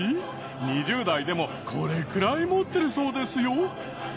２０代でもこれくらい持ってるそうですよ。